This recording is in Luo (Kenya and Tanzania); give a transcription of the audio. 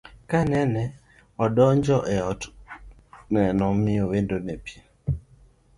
Kanene odonjo e ot, nene omiyo wendone pii